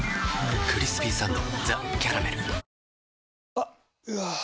あっ、うわー。